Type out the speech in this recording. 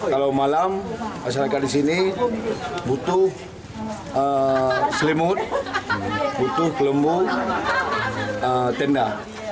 kalau malam masyarakat di sini butuh selimut butuh kelembung tenda